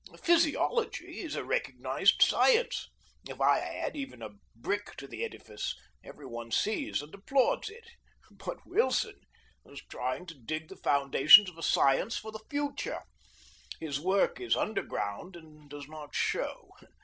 Physiology is a recognized science. If I add even a brick to the edifice, every one sees and applauds it. But Wilson is trying to dig the foundations for a science of the future. His work is underground and does not show.